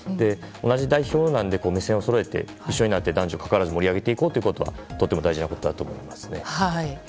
同じ代表なので、目線をそろえて一緒になって男女に関わらず盛り上げていこうというのはとても大事なことだと思いますね。